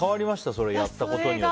それをやったことによって。